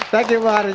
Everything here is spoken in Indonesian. thank you pak haris